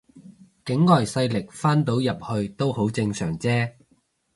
境外勢力翻到入去都好正常啫